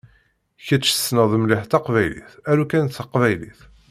Kečč tessneḍ mliḥ taqbaylit aru kan taqbaylit.